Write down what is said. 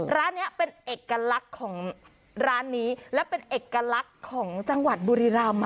ร้านนี้เป็นเอกลักษณ์ของร้านนี้และเป็นเอกลักษณ์ของจังหวัดบุรีรำ